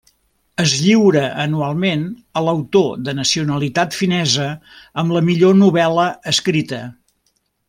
Es lliura anualment a l'autor de nacionalitat finesa amb la millor novel·la escrita.